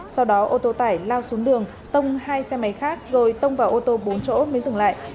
sau đó ô tô tải lao xuống đường tông hai xe máy khác rồi tông vào ô tô bốn chỗ mới dừng lại